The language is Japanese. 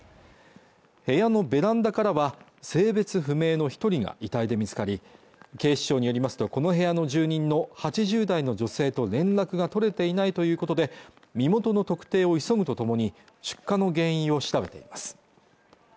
部屋のベランダからは性別不明の一人が遺体で見つかり警視庁によりますとこの部屋の住人の８０代の女性と連絡が取れていないということで身元の特定を急ぐとともに出火の原因を調べています